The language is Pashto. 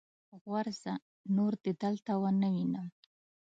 غورځه! نور دې دلته و نه وينم.